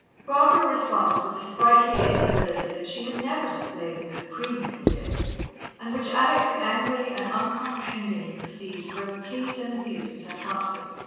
Barbara responded with a sprightly amiability that she had never displayed in her pre Neuilly days, and which Alex angrily and uncomprehendingly perceived both pleased and amused Sir Francis.